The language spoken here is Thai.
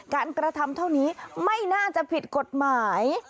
กระทำเท่านี้ไม่น่าจะผิดกฎหมาย